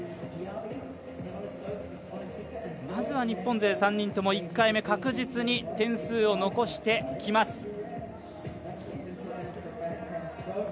まずは日本勢、３人とも１回目確実に点数を残してきます。